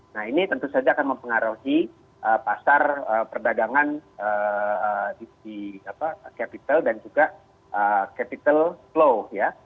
nah ini tentu saja akan mempengaruhi pasar perdagangan di capital dan juga capital flow ya